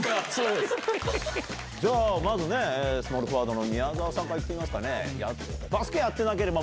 まずスモールフォワードの宮澤さんから行ってみますかね。